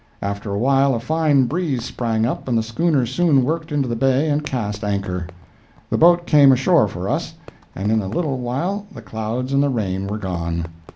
After a while a fine breeze sprang up and the schooner soon worked into the bay and cast anchor. The boat came ashore for us, and in a little while the clouds and the rain were gone.